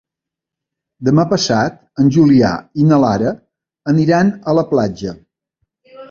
Demà passat en Julià i na Lara aniran a la platja.